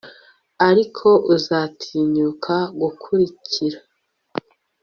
Ariko uzatinyuka gukurikira